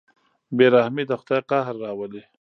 بېرحمي د خدای قهر راولي.